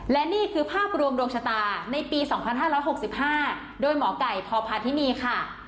และนี่คือภาพรวมดวงชะตาในปี๒๕๖๕โดยหมอไก่พพาธินีค่ะ